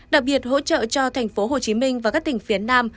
đặc biệt hỗ trợ cho thành phố hồ chí minh và các tỉnh phía nam